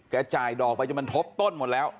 แกจ่ายดอกมาจริงมันเทาะต้นหมดแล้ว